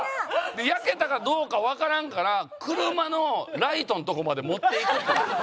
焼けたかどうかわからんから車のライトの所まで持っていくっていう。